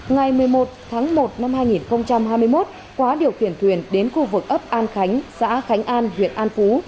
ngày một mươi một tháng một năm hai nghìn hai mươi một quá điều khiển thuyền đến khu vực ấp an khánh xã khánh an huyện an phú